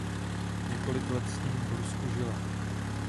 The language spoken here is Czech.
Několik let s ním v Rusku žila.